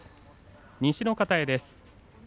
西の方屋です。